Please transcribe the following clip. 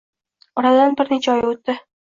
Oradan bir necha oy o'tdi.